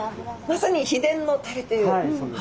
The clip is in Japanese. まさに秘伝のタレという。